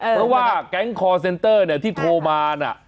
เพราะว่าแก๊งคอร์เซ็นเตอร์ที่โทรมานะ